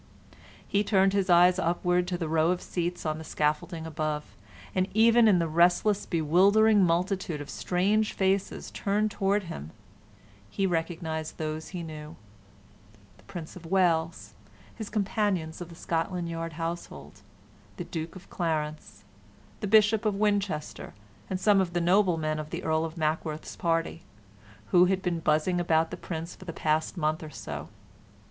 He turned his eyes upward to the row of seats on the scaffolding above, and even in the restless, bewildering multitude of strange faces turned towards him recognized those that he knew: the Prince of Wales, his companions of the Scotland Yard household, the Duke of Clarence, the Bishop of Winchester, and some of the noblemen of the Earl of Mackworth's party, who had been buzzing about the Prince for the past month or so.